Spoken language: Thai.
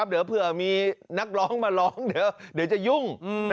เดี๋ยวเผื่อมีนักร้องมาร้องเดี๋ยวจะยุ่ง